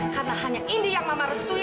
karena hanya indi yang mama restui